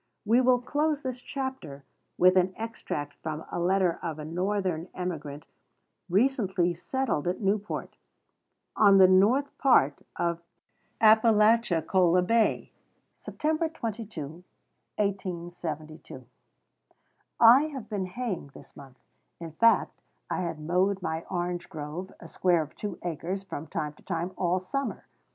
We will close this chapter with an extract from a letter of a Northern emigrant recently settled at Newport, on the north part of Appalachicola Bay. SEPT. 22, 1872. I have been haying this month: in fact I had mowed my orange grove, a square of two acres, from time to time, all summer.